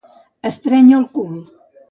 Estrènyer el cul